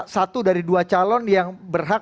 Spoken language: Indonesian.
satu dari dua calon yang berhak